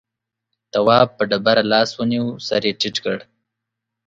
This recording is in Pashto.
تواب په ډبره لاس ونيو سر يې ټيټ کړ.